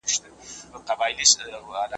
دا پړاو عملي حلونه لټوي.